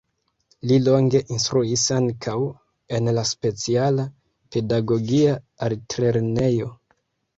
Li longe instruis ankaŭ en la speciala pedagogia altlernejo.